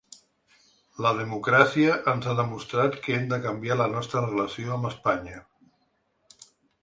La democràcia ens ha demostrat que hem de canviar la nostra relació amb Espanya.